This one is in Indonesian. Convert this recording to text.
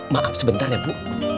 maaf sebentar ya bu